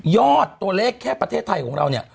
อดตัวเลขแค่ประเทศไทยของเราเนี่ย